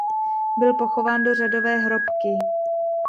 Byl pochován do řádové hrobky.